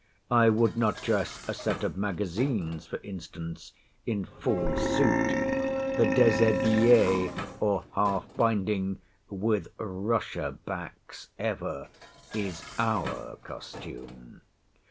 I would not dress a set of Magazines, for instance, in full suit. The dishabille, or half binding (with Russia backs ever) is our costume.